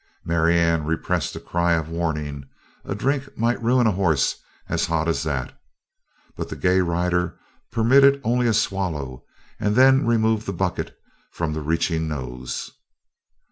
Marianne repressed a cry of warning: a drink might ruin a horse as hot as that. But the gay rider permitted only a swallow and then removed the bucket from the reaching nose.